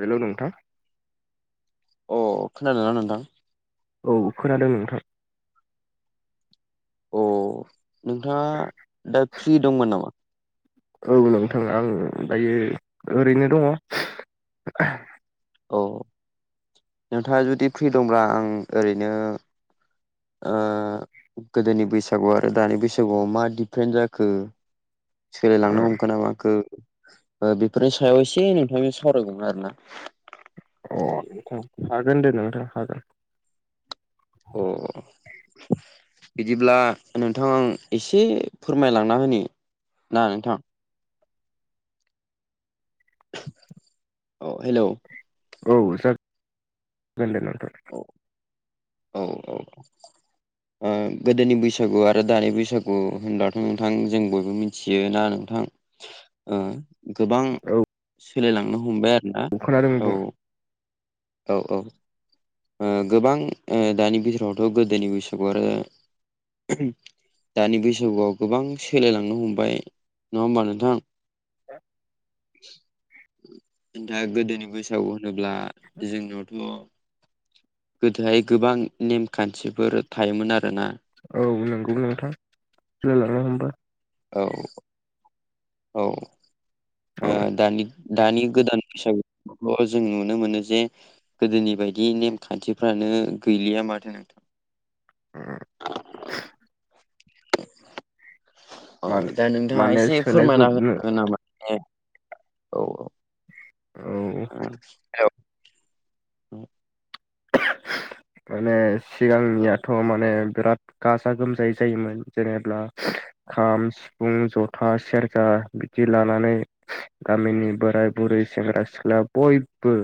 Hello नोंथां अ खोनादोंना नोंथां? औ खोनादों नोंथां। अ नोंथाङा दा फ्रि दंमोन नामा? औ नोंथां आं दायो ओरैनो दङ। औ नोंथाङा जुदि फ्रि दंब्ला आं ओरैनो ओ गोदोनि बैसागु आरो दानि बैसागुआव मा डिपरेन्ट जाखो सोलायलांनो हमखो ना माखो ओ बेफोरनि सायाव एसे नोंथांजों सावरायगौमोन आरो ना। अ हागोन दे नोंथां हागोन अ बिदिब्ला नोंथां आं एसे फोरमायलांना होनि ना नोंथां औ हेलौ औ जा गोनदे नोंथां। औ औ। ओ गोदोनि बैसागु आरो दानि बैसागु होनबथ' नोंथां जों बयबो मिथियोना नोंथां? ओ गोबां औ सोलायलांनो हमबाय आरोना खोनादों औ। बुं औ औ। ओ गोबां ओ दानि बिथोरावथ' गोदोनि बैसागु आरो दानि बैसागुआव गोबां सोलायलांनो हमबाय नङा होमबा नोंथां? हा नोंथाङा गोदोनि बैसागु होनोब्ला जोंनियावथ' गोदोहाय गोबां नेमखान्थिफोर थायोमोन आरोना औ नौंगौ नोंथां सोलायलांनो हमबाय औ औ ओ औ दानि दानि गोदान बैसागुल' जों नुनो मोनो जे गोदोनि बायदि नेमखान्थिफ्रानो गैलिया माथो [unintelligible] अ मान दा नोंथाङा माने एसे फोरमायना होनो सोलायजोबनो हागोन नामा औ औ औ [unintelligible] माने सिगांनियाथ' माने बिराद गाजा गोमजायै जायोमोन जेनेब्ला खाम सि फुं जथा सेरजा बिदि लानानै गामिनि बोराय बुरै सेंग्रा सिख्ला बयबो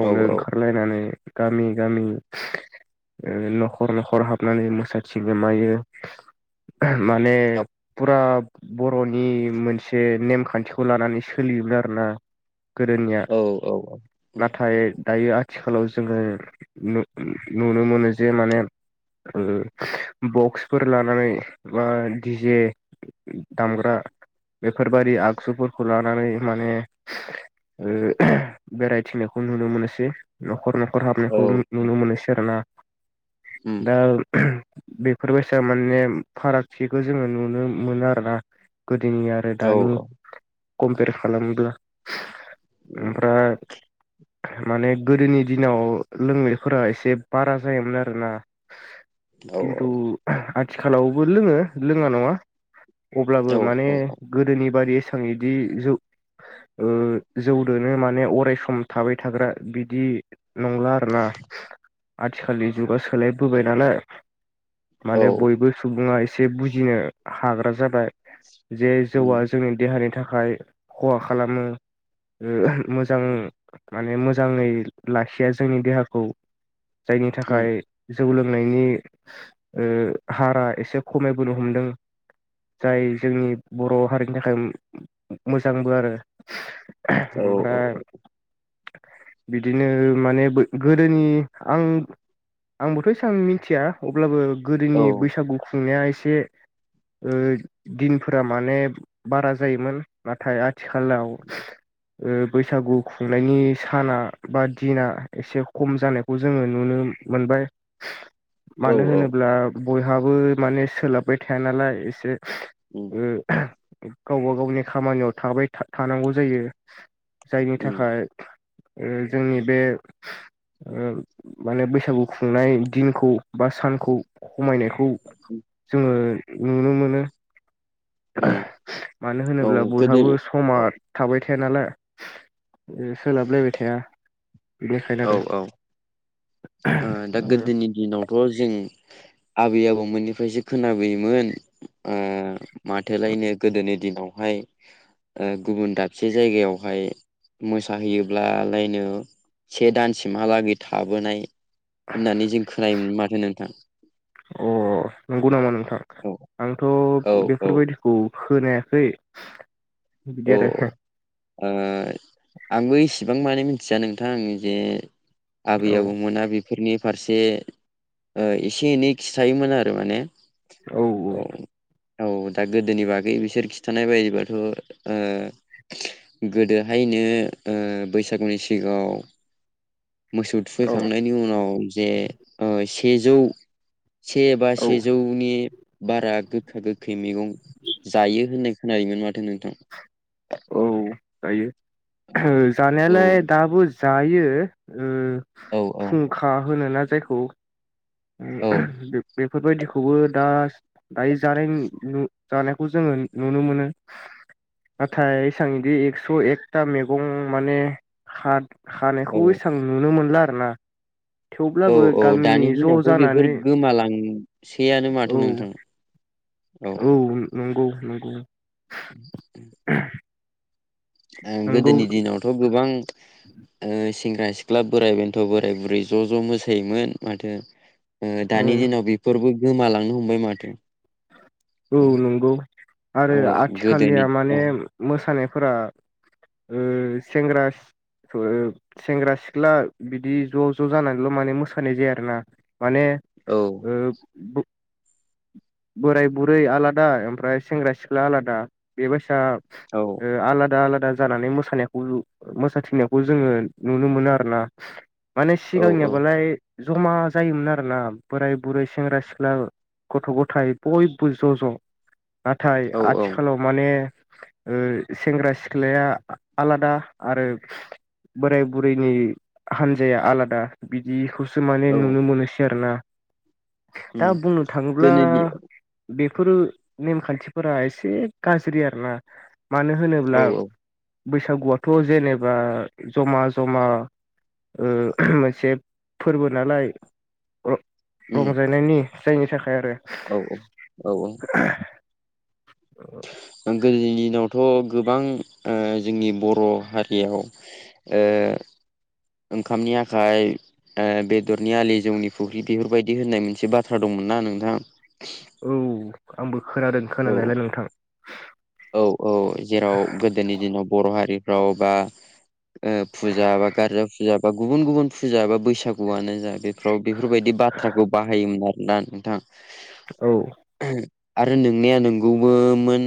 औ ओंखारलायनानै गामि गामि ओ नखर नखर हाबनानै मोसाथिङो मायो माने फुरा बर'नि मोनसे नेमखान्थिखौ लानानै सोलियोमोन आरोना गोदोनिया औ औ औ उम नाथाय दायो आथिखालाव जोङो नु-नुनो मोनो जे माने ओ बक्सफोर लानानै बा दि जे दामग्रा बेफोरबादि आगजुफोरखौ लानानै माने ओ बेरायथिंनायखौ नुनो मोनसै नखर नखर औ हाबनायखौ नुनो मोनोसै आरोना उम दा बेफोरबायसा माने फारागथिखौ जोङो नुनो मोनो आरोना गोदोनिया औ दानि औ कम्पेयार खालामोब्ला उम ओमफ्राय माने गोदोनि दिनाव लोंनायफोरा एसे बारा जायोमोन आरोना औ खिन्थु आथिखालावबो लोङो लोङा नङा औ अब्लाबो माने गोदोनि बादि एसां इदि जौ ओ जौदोनो माने अरायसम थाबाय थाग्रा बिदि नंला आरोना आथिखालनि जुगा सोलायबोबाय नालाय औ माने बयबो सुबुङा एसे बुजिनो हाग्रा जाबाय जे उम जौआ जोंनि देहानि थाखाय खहा खालामो ओ मोजां माने मोजाङै लाखिया जोंनि देहाखौ जायनि उम थाखाय जौ लोंनायनि ओ हारा एसे खमायबोनो हमदों जाय जोंनि बर' हारिनि थाखाय मोजांबो आरो औ औ ओमफ्राय बिदिनो माने बो गोदोनि आं आंबोथ' एसां मिथिया अब्लाबो गोदोनि बैसागु खुंनाया एसे ओ दिनफोरा माने बारा जायोमोन नाथाय आथिखालाव ओ बैसागु खुंनायनि साना बा दिना एसे खम जानायखौ जोङो नुनो मोनबाय औ मानो औ होनोब्ला बयहाबो माने सोलाबबाय थाया नालाय एसे उम ओ गावबा गावनि खामानियाव थाबाय थानांगौ जायो जायनि उम थाखाय ओ जोंनि बे माने बैसागु खुंनाय दिनखौ बा सानखौ खमायनायखौ जोङो नुनो मोनो उम मानो औ होनोब्ला गोदो बयहाबो स समा औ थाबाय थाया नालाय ओ सोलाबलायबाय थाया बेखायनो औ आरो औ ओ दा गोदोनि दिनावथ जों आबै आबौमोननिफ्रायसो खोनाबोयोमोन ओ माथोलायनो गोदोनि दिनावहाय ओ गुबुन दाबसे जायगायावहाय मोसाहैयोब्ला लायनो से दानसिमहालागै थाबोनाय होननानै जों खोनायोमोन माथो नोंथां अ नंगौ नामा नोंथां औ आंथ बेफोरबायदि औ खोनायाखै बिदि औ आरो ओ आंबो इसेबां माने मिथिया नोंथां जे आबै औ आबौमोना बे फोरनि फारसे ओ एसे एनै खिथायोमोन आरो माने औ औ दा गोदोनि बागै बिसोर खिथानाय बायदिबाथ ओ गोदोहायनो बैसागुनि सिगाङाव मोसौ औ थुखैखांनायनि उनाव जे सेजौ से बा औ सेजौ नि बारा गोखा गोखै मैगं जायो होननाय खोनायोमोन माथो नोंथां औ जायो औ जानायालाय दाबो जायो ओ औ औ फुंखा होनोना जायखौ बे औ बे बेफोरबायदिखौबो दा दायो जानाय नु जानायखौ जोङो नुनो मोनो नाथाय एसां इदि एक्स एकथा मैगं माने हात हानायखौ औ एसेबां नुनो मोनला आर ना औ थेवब्लाबो औ गामिनि दानि ज' दिनावथ' बेफोर जानानै गोमालांसैयानो माथो औ नोंथां औ नंगौ नंगौ नंगौ गोदोनि दिनावथ गोबां ओ सेंग्रा सिख्ला बोराइ बेन्थ बोराइ बुरै ज ज मोसायोमोन माथो ओ दानि औ दिनाव बेफोरबो गोमालांनो हमबाय माथो औ नंगौ आरो औ गोदोनि आथिखालनिया माने औ मोसानायफोरा ओ सेंग्रा सेंग्रा सिख्ला बिदि ज ज जानानैल' माने मोसानाय जाया आरो ना माने औ ओ बोराय बुरै आलादा ओमफ्राय सेंग्रा सिख्ला आलादा बेबायसा औ ओ आलादा आलादा जानानै मोस मोसानायखौ मोसाथिनायखौ जोङो नुनो मोनो आरो ना माने औ औ सिगांनियाबालाय जमा जायोमोन आरोना बोराय बुरै सेंग्रा सिख्ला गथ गथाय बयबो ज ज नाथाय औ औ आथिखालाव माने ओ सेंग्रा सिख्लाया आलादा आरो बोराय बुरैनि हान्जाया आलादा बिदिखौसो माने औ नुनो मोनोसै आरोोना उम दा बुंनो थाङोब्ला गोदोनि बेफोरो नेमखान्थिफोरा एसे गाज्रि आरोना मानो औ होनोब्ला औ बैसागुआथ जेनेबा जमा जमा ओ मोनसे फोर्बो नालाय उम रंजानायनायनि जायनि थाखाय आरो औ औ औ औ औ गोदोनि दिनावथ' गोबां जोंनि बर' हारियाव ओंखामनि आखाइ बेदरनि आलि जौनि फुख्रि बेफोरबायदि होननाय मोनसे बाथ्रा दंमोनना नोंथाङा औ आंबो खोनादों खोनानायलाय नोंथां औ औ जेराव गोदोनि दिनाव बर' हारिफ्राव बा फुजा बा गारजा फुजा बा गुबुन गुबुन फुजा बा बैसागुआनो जा बे फ्राव बेफोरबायदि बाथ्राखौ बाहायोमोन आरोना नोंथां औ आरो नोंनाया नोंगौबोमोन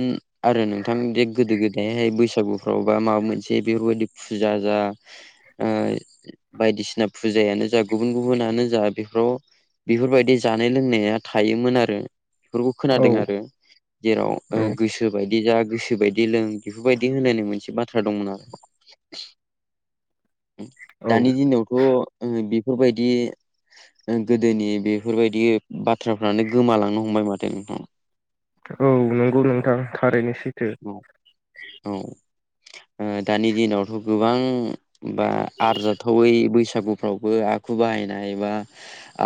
आरो नोंथां दे गोदो गोदायहाय बैसागुफ्रावबा माबा मोनसे बेफोरबायदि फुजा जा ओ बायदिसिना फुजायानो जा गुबुन गुबुनानो जा बेफोराव बेफोरबायदि जानाय लोंनाया थायोमोन आरो बेफोरखौ औ खोनादों आरो जेराव औ गोसो गोसो बायदि जा गोसोबायदि लों बेफोरबायदि होननाय मोनसे बाथ्रा दंमोन आरो औ दानि दिनावथ' बेफोरबायदि गोदोनि बेफोरबायदि बाथ्राफ्रानो गोमालांनो हमबाय माथो नोंथां औ नंगौ नोंथां थारैनो सैथो औ औ दानि दिनावथ' गोबां बा आरजाथावै बैसागु फ्रावबो आखु बाहायनाय बा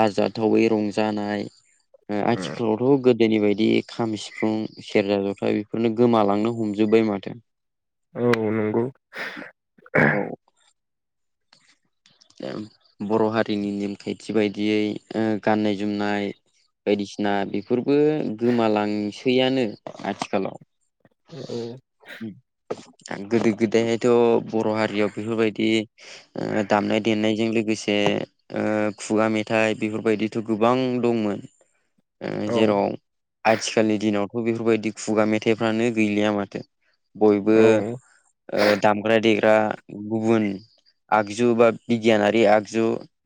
आरजाथावै रंजानाय ओ आथिखालावथ' गोदोनि बायदि खाम सिफुं सेरजा जथा बेफोरनो गोमालांनो हमजोबबाय माथो औ नंगौ औ बर' हारिनि नेम खान्थि बायदियै गाननाय जोमनाय बायदिसिना बेफोरबो गोमालांसैयानो आथिखालाव औ गोदो गोदायहायथ' बर' हारियाव बेफोरबायदि ओ दामनाय देनायजों लोगोसे ओ खुगा मेथाइ बेफोरबायदिथ' गोबां दंमोन औ जेराव आथिखालनि दिनावथ' बेफोरबायदि खुगा मेथाइफ्रानो गैलिया माथो बयबो औ ओ दामग्रा देग्रा गुबुन जु बा बिगियानारि आगजु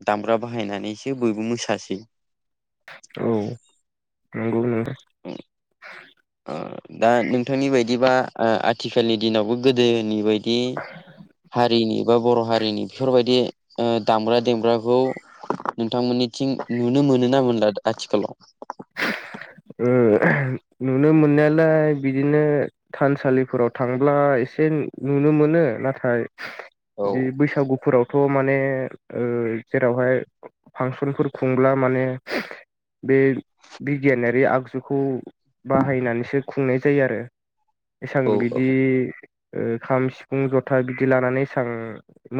दामग्रा बाहायनानैसो बयबो मोसासै औ नंगौ नों [unintelligible] दा नोंथांनि बायदिबा आथिखालनि दिनावबो गोदोनि बायदि दे हारिनि बा बर' हारिनि बेफोरबायदि ओ दामग्रा देग्राखौ नोंथांमोननिथिं नुनो मोनो ना मोनला आथिखालाव ओ नुनो मोननायालाय बिदिनो थानसालिफोराव थांब्ला एसे नुनो मोनो नाथाय औ बिदि बैसागुफोराव थ' माने ओ जेरावहाय फांसनफोर खुंब्ला माने बे बिगियानारि आगजुखौ बाहायनानैसो खुंनाय जायो आरो एसां औ औ बिदि ओ खाम सिफुं जथा बिदि लानानै एसां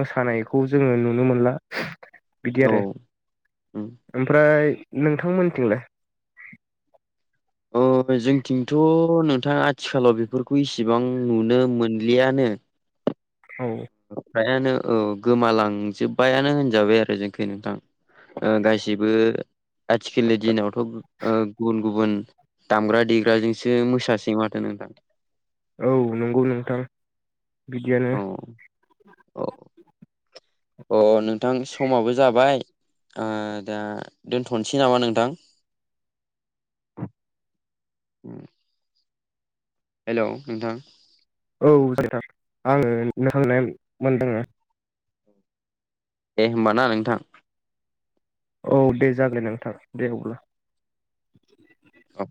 मोसानायखौ जोङो नुनो मोनला बिदि औ आरो उम ओमफ्राय नोंथांमोनथिंलाय अ जोंथिंथ' नोंथाङा आथिखालाव बेफोरखौ इसेबां नुनो मोनलियानो। औ फ्रायानो औ गोमालांजोब्बायानो होनजाबाय आरो जोंनिखै नोंथां। ओ गासिबो आथिखालनि आदसा दिनावथ' ओ गुबुन गुबुन दामग्रा देग्राजोंसो मोसासै माथो नोंथां। औ नंगौ नोंथां बिदियानो औ औ अ नोंथां समाबो जाबाय ओ दा दोनथ'नोसै नामा नोंथां। हेलौ नोंथां। औ नोंथां आङो नोथांनो [unintelligible] दे होमबा ना नोंथां। औ दे जागोन नोंथां दे अब्ला औ